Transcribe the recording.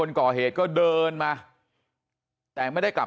นี่คุณตูนอายุ๓๗ปีนะครับ